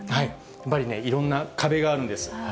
やっぱりね、いろんな壁があるんです。